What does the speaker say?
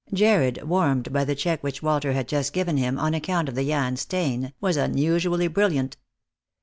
Jarred, warmed by the cheque which Walter had just given him on account of the Jan Steen, was unusually brilliant.